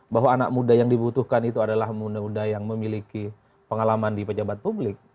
bahwa anak muda yang dibutuhkan itu adalah muda muda yang memiliki pengalaman di pejabat publik